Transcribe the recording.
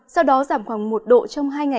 sau đó giảm khoảng một độ trong hai ngày